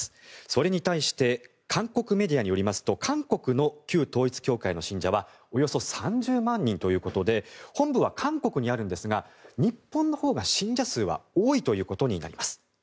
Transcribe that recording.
それに対して韓国メディアによりますと韓国の旧統一教会の信者はおよそ３０万人ということで本部は韓国にあるんですが日本のほうが信者数は多いということになります。